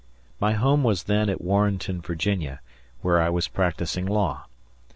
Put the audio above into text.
My home was then at Warrenton, Virginia, where I was practising law.